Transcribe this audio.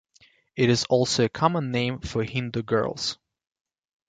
It is also a common name for Hindu girls.